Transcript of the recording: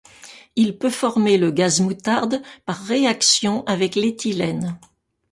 Il peut former le gaz moutarde par réaction avec l'éthylène.